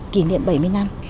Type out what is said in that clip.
kỷ niệm bảy mươi năm